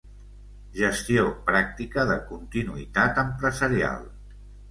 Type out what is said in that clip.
Gestió pràctica de continuïtat empresarial.